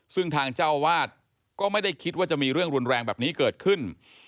ซึ่งทางเจ้าวาดก็ไม่ได้คิดว่าจะมีเรื่องรุนแรงแบบนี้เกิดขึ้น